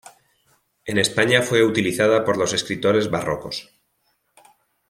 En España fue utilizada por los escritores barrocos.